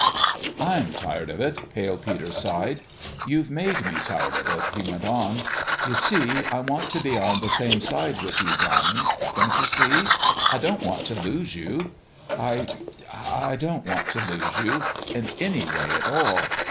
" I'm tired of it," Pale Peter sighed. " You've made me tired of it," he went on. " You see, I want to be on the same side with you, Donnie. Don't you see ? I don't want to lose you. I I don't want to lose you in any way at all.